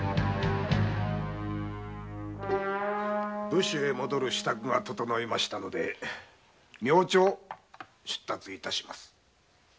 武州に戻る支度が整いましたので明朝出立致します。